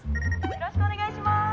よろしくお願いします！